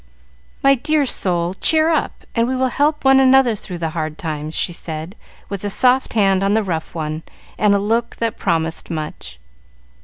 "My dear soul, cheer up, and we will help one another through the hard times," she said, with a soft hand on the rough one, and a look that promised much.